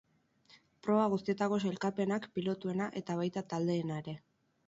Proba guztietako sailkapenak, pilotuena eta baita taldeena ere.